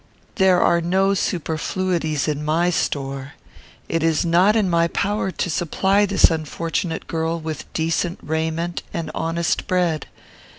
"There are no superfluities in my store. It is not in my power to supply this unfortunate girl with decent raiment and honest bread.